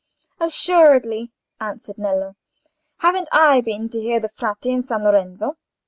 "Assuredly," answered Nello. "Haven't I been to hear the Frate in San Lorenzo?